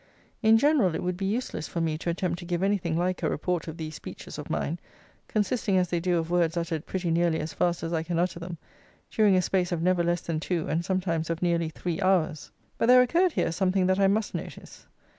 In general it would be useless for me to attempt to give anything like a report of these speeches of mine, consisting as they do of words uttered pretty nearly as fast as I can utter them, during a space of never less than two, and sometimes of nearly three hours. But there occurred here something that I must notice.